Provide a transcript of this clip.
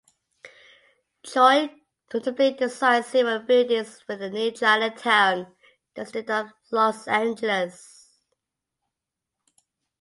Choy notably designed several buildings within the New Chinatown district of Los Angeles.